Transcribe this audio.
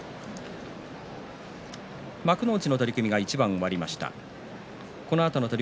幕内の取組が一番終わりました。